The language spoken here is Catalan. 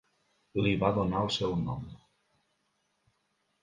Li va donar el seu nom.